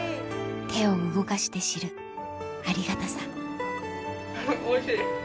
手を動かして知るありがたさおいしい。